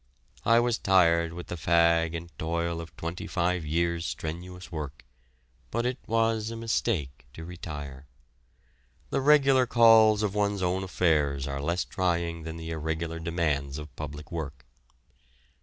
I was tired with the fag and toil of twenty five years' strenuous work, but it was a mistake to retire. The regular calls of one's own affairs are less trying than the irregular demands of public work.